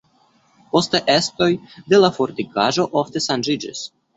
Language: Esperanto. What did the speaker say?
Poste estroj de la fortikaĵo ofte ŝanĝiĝis.